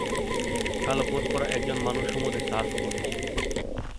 কালো কোট পরা একজন মানুষ সমুদ্রে সার্ফ করছে।